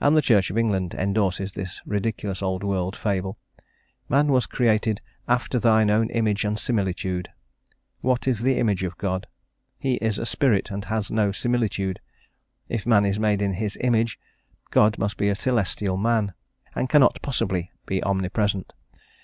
And the Church of England endorses this ridiculous old world fable. Man was created "after thine own image and similitude." What is the image of God? He is a spirit and has no similitude. If man is made in his image, God must be a celestial man, and cannot possibly be omnipresent.